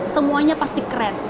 semuanya pasti keren